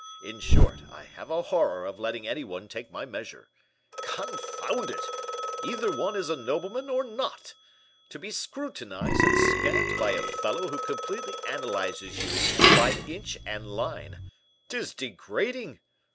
In short, I have a horror of letting any one take my measure. Confound it! either one is a nobleman or not. To be scrutinized and scanned by a fellow who completely analyzes you, by inch and line 'tis degrading!